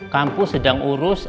kampus sedang urus